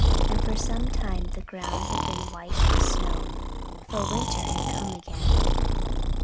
And for some time the ground had been white with snow; for winter had come again.